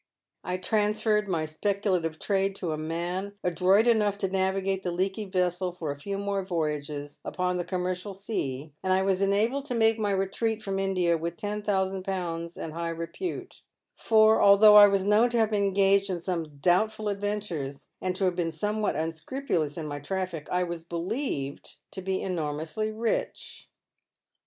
I transferred my speculative trade to a man adroit enough to navigate the leaky vessel for a few more voyages upon the commercial sea, and I was enabled to make my retreat fi'om India with ten thousand pounds and high repute ; for, although I was known to have been engaged in some doubtful adventures, and to have been somewhat unscrupulous in my traffic, I ws« believed to be enormously rich.